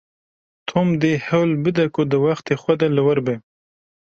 Tom dê hewl bide ku di wextê xwe de li wir be.